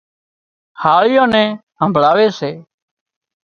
هاۯيئان نين همڀۯاوي سي